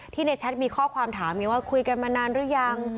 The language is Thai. ที่ในแชทมีข้อความถามอย่างว่าคุยกันมานานรึยัง